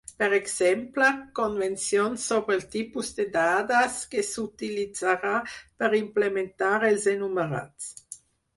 Per exemple, convencions sobre el tipus de dades que s'utilitzarà per implementar els enumerats.